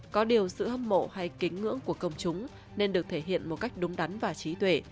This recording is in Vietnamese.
có điều sự hâm mộ hay kính ngưỡng của công chúng nên được thể hiện một cách đúng đắn và trí tuệ